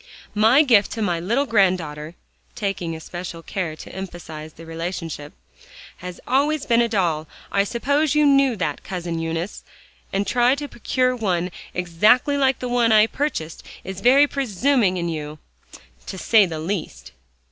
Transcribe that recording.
"My gift to my little granddaughter," taking especial care to emphasize the relationship, "has always been a doll, I suppose you knew that, Cousin Eunice; and to try to procure one exactly like the one I have purchased, is very presuming in you, to say the least."